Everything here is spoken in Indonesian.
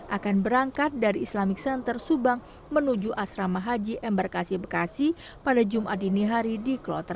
akan berangkat dari islamic center subang menuju asrama haji embarkasi bekasi pada jumat dini hari di kloter sepuluh